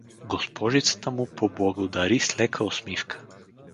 Госпожицата му поблагодари с лека усмивка.